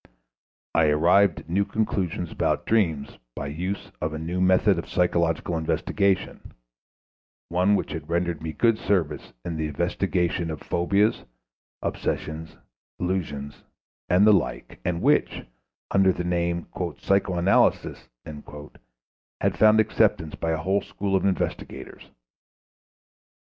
I arrived at new conclusions about dreams by the use of a new method of psychological investigation, one which had rendered me good service in the investigation of phobias, obsessions, illusions, and the like, and which, under the name "psycho analysis," had found acceptance by a whole school of investigators.